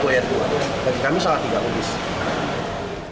bagi kami salah tiga kutip